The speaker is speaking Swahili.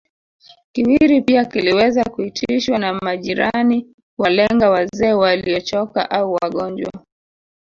Kiwiri pia kiliweza kuitishwa na majirani kuwalenga wazee waliochoka au wagonjwa